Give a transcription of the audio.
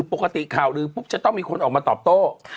ปกติข่าวลือปุ๊บจะต้องมีคนออกมาตอบโต้